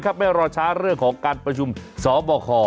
เดี๋ยวว่าก็รอช้าเรื่องของการประชุมสอบบกฮ่อ